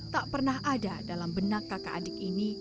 tak pernah ada dalam benak kakak adik ini